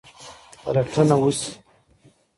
پلټنه وسي.